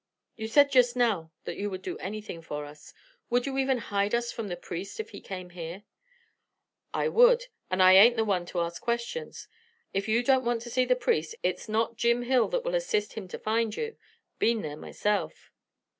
"You said just now that you would do anything for us. Would you even hide us from the priest if he came here?" "I would. And I ain't the one to ask questions. If you don't want to see the priest, it's not Jim Hill that will assist him to find you. Been there myself."